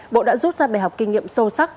bộ đã rút ra bài học kinh nghiệm sâu sắc